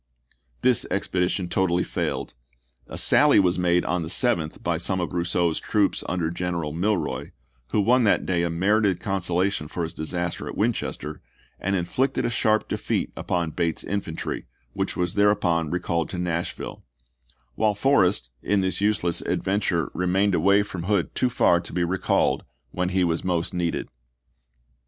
This expedition totally failed. A sally was made on the 7th by some of Rousseau's troops under General Milroy, who won that day a merited consolation for his disaster at Winchester, and inflicted a sharp defeat upon Bate's infantry, which was thereupon recalled to Nashville ; while Forrest, in this useless adventure, remained away from Hood too far to be recalled when he was most needed.